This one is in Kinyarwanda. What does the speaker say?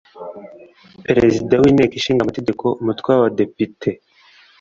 Perezida w’Inteko Ishinga Amategeko umutwe w’Abadepite